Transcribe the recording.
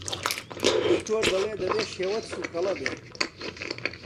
دکتۆر دەڵێ دەبێ شێوت سووکەڵە بێ!